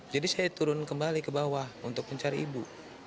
jadi saya turun kembali ke bawah untuk mencari ibu